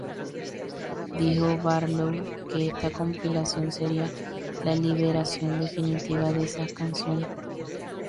Dijo Barlow que esta compilación sería "la liberación definitiva de esas canciones".